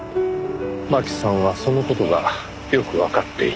真紀さんはその事がよくわかっていた。